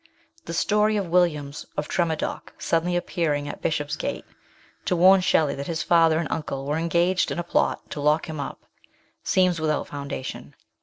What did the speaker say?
The story of Williams of Tremadock suddenly appear ing at Bishopsgate, to warn Shelley that his father and uncle were engaged in a plot to lock him up, seems without foundation.